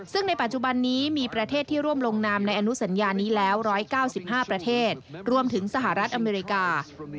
ซึ่งในปัจจุบันนี้มีประเทศที่ร่วมลงนามในอนุสัญญานี้แล้ว๑๙๕ประเทศรวมถึงสหรัฐอเมริกา